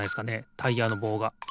タイヤのぼうが。